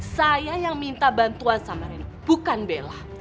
saya yang minta bantuan sama reno bukan bella